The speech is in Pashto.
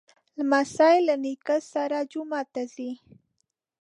لمسی له نیکه سره جومات ته ځي.